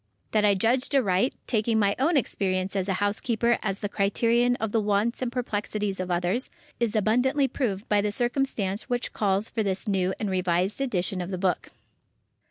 That I judged aright, taking my own experience as a housekeeper as the criterion of the wants and perplexities of others, is abundantly proved by the circumstance which calls for this new and revised edition of the book.